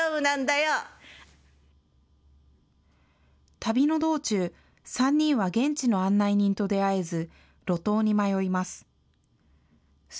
旅の道中、３人は現地の案内人と出会えず、路頭に迷います。